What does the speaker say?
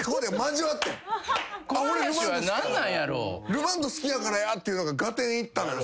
ルマンド好きやからやっていうのが合点いったのよ